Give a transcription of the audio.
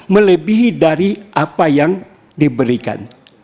melebihi dari apa yang diberikan